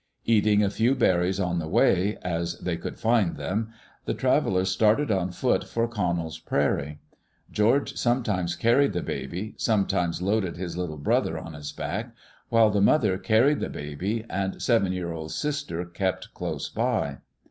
Eating a few berries on the way, as they could find them, the travelers started on foot for Connell's prairie. George sometimes carried the baby, sometimes loaded his little brother on his back, while the modier carried the baby, and the seven year old sister kept close by.